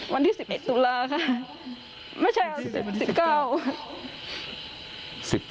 วันที่๑๑ตุลาค่ะไม่ใช่วันที่๑๙ค่ะ